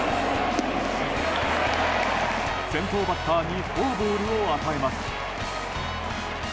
先頭バッターにフォアボールを与えます。